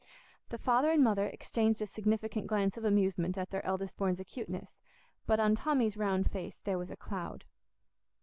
The father and mother exchanged a significant glance of amusement at their eldest born's acuteness; but on Tommy's round face there was a cloud.